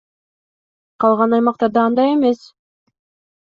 Калган аймактарда андай эмес.